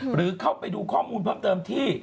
หรือเข้าไปดูข้อมูลเพิ่มเติมที่